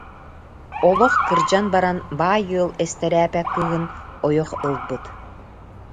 Олох кырдьан баран баай ыал эстэрээпэ кыыһын ойох ылбыт